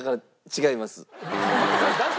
違います。